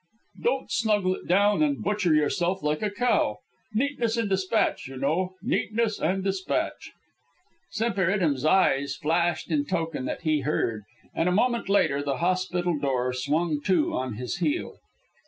Don't snuggle it down and butcher yourself like a cow. Neatness and despatch, you know. Neatness and despatch." Semper Idem's eyes flashed in token that he heard, and a moment later the hospital door swung to on his heel.